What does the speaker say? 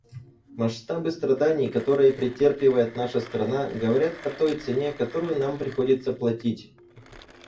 Масштабы страданий, которые претерпевает наша страна, говорят о той цене, которую нам приходится платить.